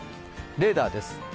レーダーです。